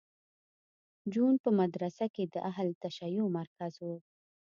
جون په مدرسه کې د اهل تشیع مرکز و